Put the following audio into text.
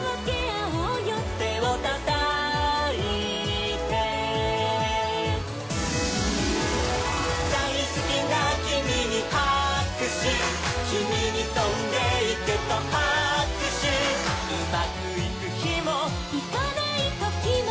「てをたたいて」「だいすきなキミにはくしゅ」「キミにとんでいけとはくしゅ」「うまくいくひも」「いかないときも」